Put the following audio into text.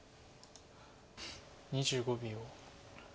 ２５秒。